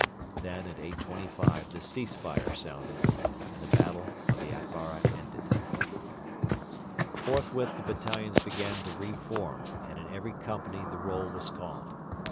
Then at 8.25 the 'Cease fire' sounded, and the battle of the Atbara ended. Forthwith the battalions began to re form, and in every company the roll was called.